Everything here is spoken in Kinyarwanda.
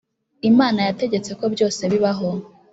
imana yategetse ko byose bibaho.